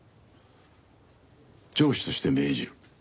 上司として命じる。